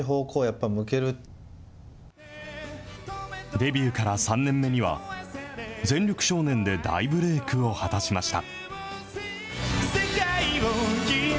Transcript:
デビューから３年目には、全力少年で大ブレークを果たしました。